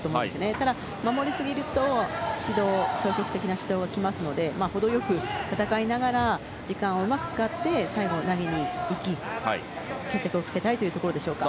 ただ、守りすぎると消極的な指導が来るので程よく戦いながら時間をうまく使って最後、投げにいき決着をつけたいというところでしょうか。